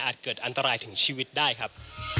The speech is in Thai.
เกิดอันตรายถึงชีวิตได้ครับ